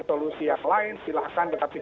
solusi yang lain silahkan tetapi